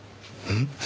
ん？